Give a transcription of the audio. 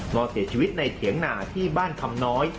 นอนเสียชีวิตในเถียงหนาที่บ้านคำน้อย